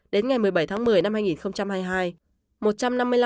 đến ngày một mươi bảy tháng một mươi năm hai nghìn hai mươi hai